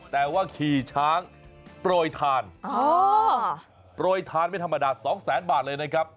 แต่ว่าขี่ช้างโปรยทานโปรยทานไม่ธรรมดาสองแสนบาทเลยนะครับ